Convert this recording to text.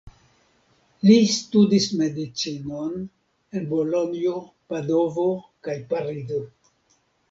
Li studis Medicinon en Bolonjo, Padovo kaj Parizo.